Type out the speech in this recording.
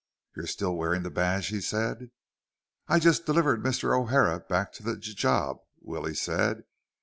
"You're still wearing the badge," he said. "I just delivered Mr. O'Hara back to the j job," Willie said.